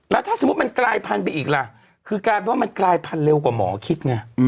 แล้วถ้าสมมุติมันกลายพันธุไปอีกล่ะคือกลายเป็นว่ามันกลายพันธุเร็วกว่าหมอคิดไง